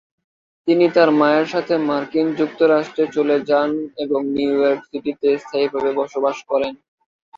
তিনি তার মায়ের সাথে মার্কিন যুক্তরাষ্ট্রে চলে যান এবং নিউ ইয়র্ক সিটিতে স্থায়ীভাবে বসবাস করেন।